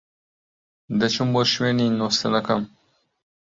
دەچم بۆ شوێنی نوستنەکەم.